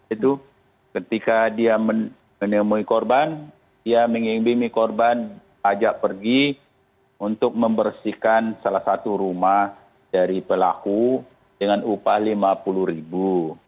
itu ketika dia menemui korban dia mengimbimi korban ajak pergi untuk membersihkan salah satu rumah dari pelaku dengan upah lima puluh ribu